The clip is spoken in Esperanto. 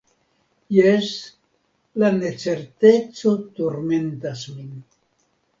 Jes, la necerteco turmentas min.